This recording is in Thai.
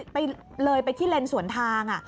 ไปเลยไปที่เลนสวนทาง